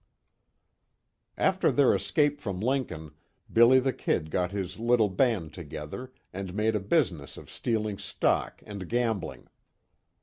After their escape from Lincoln, "Billy the Kid" got his little band together, and made a business of stealing stock and gambling.